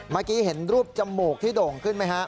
เมื่อกี้เห็นรูปจมูกที่โด่งขึ้นไหมฮะ